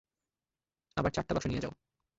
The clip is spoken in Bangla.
আবার চারটা বাক্স নিয়ে যাও।